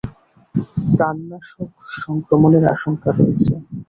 প্রাণনাশক সংক্রমণের আশঙ্কা রয়েছে।